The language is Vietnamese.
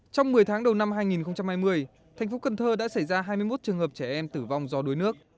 trong một mươi tháng đầu năm hai nghìn hai mươi thành phố cần thơ đã xảy ra hai mươi một trường hợp trẻ em tử vong do đuối nước